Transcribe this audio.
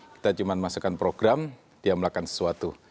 kita cuma masukkan program dia melakukan sesuatu